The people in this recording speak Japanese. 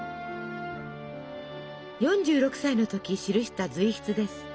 ４６歳の時記した随筆です。